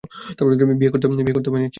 বিয়ে হবে নিশ্চিত।